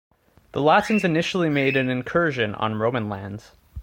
The Latins initially made an incursion on Roman lands.